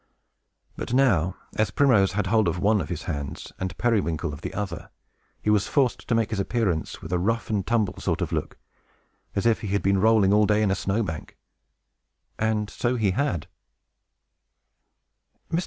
But now, as Primrose had hold of one of his hands, and Periwinkle of the other, he was forced to make his appearance with a rough and tumble sort of look, as if he had been rolling all day in a snow bank. And so he had. Mr.